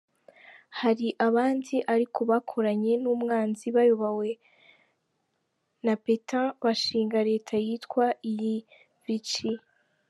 Hari abandi ariko bakoranye n’umwanzi, bayobowe na Petain, , bashinga Leta yitwa iyi Vichy.